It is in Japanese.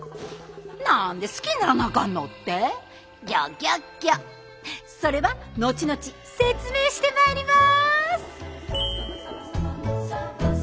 「何で好きにならなあかんの」って？それは後々説明してまいります。